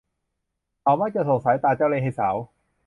เขามักจะส่งสายตาเจ้าเล่ห์ให้สาว